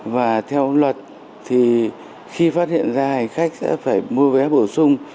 và theo luật thì khi phát hiện ra hành khách sẽ phải mua vé bổ sung